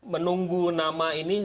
menunggu nama ini